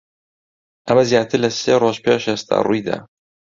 ئەمە زیاتر لە سێ ڕۆژ پێش ئێستا ڕووی دا.